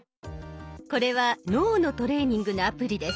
これは脳のトレーニングのアプリです。